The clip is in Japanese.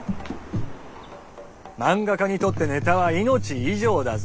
漫画家にとってネタは命以上だぞ。